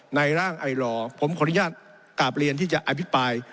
ในร่างไอลอร์ผมขออนุญาตกราบเรียนที่จะอภิปราย